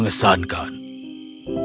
ini adalah ekonomi "